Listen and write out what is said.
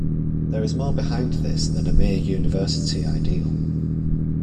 There is more behind this than a mere university ideal.